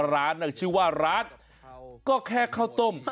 ร้านชื่อว่าร้านก็แค่ข้าวต้ม